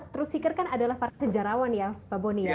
terus sikirkan adalah para sejarawan ya pak boni